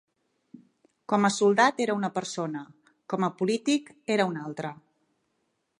Com a soldat era una persona, com a polític era una altra.